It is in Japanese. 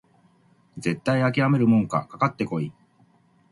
絶対あきらめるもんかかかってこい！